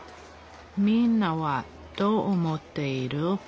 みんなはどう思っている？